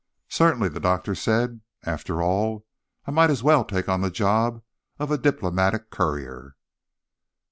"Certainly," the doctor said. "After all, I might as well take on the job of a diplomatic courier."